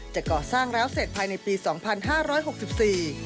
ก่อสร้างแล้วเสร็จภายในปีสองพันห้าร้อยหกสิบสี่